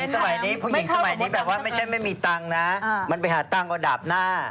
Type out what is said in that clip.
ถ้าหญิงสมัยนี้ไม่ใช่ไม่มีตังนะมันมาหาตังก็ดับหน้า